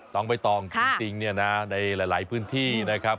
ต้องไปต้องจริงในหลายพื้นที่นะครับ